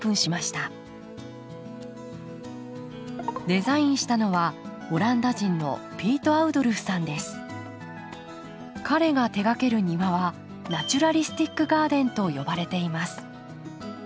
デザインしたのはオランダ人の彼が手がける庭はナチュラリスティック・ガーデンと呼ばれています。